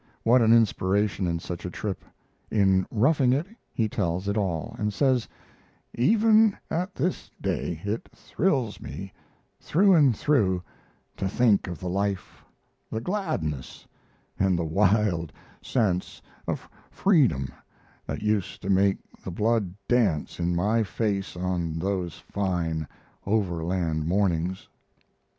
What an inspiration in such a trip! In 'Roughing It' he tells it all, and says: "Even at this day it thrills me through and through to think of the life, the gladness, and the wild sense of freedom that used to make the blood dance in my face on those fine Overland mornings."